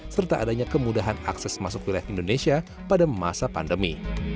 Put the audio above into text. serta adanya kemudahan akses masuk wilayah indonesia pada masa pandemi